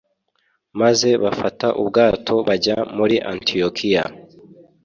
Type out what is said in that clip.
maze bafata ubwato bajya muri Antiyokiya